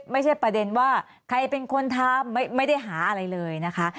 ไม่ใช่ประเด็นว่าใครเป็นคนทำไม่ได้หาอะไรเลยนะคะ